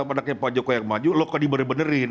pada kira kira pak joko yang maju lo kan dibenerin